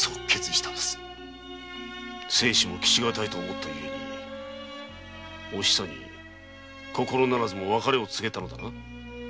生死も期しがたいと思ったゆえおひさに心ならずも別れを告げたのだな？